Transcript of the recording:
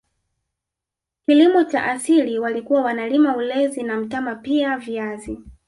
Kilimo cha asili walikuwa wanalima ulezi na mtama pia viazi